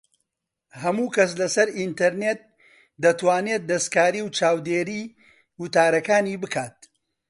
ھەموو کەس لە سەر ئینتەرنێت دەتوانێت دەستکاری و چاودێریی وتارەکانی بکات